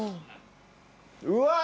うわっ！